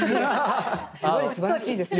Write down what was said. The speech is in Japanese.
すごいすばらしいですけど。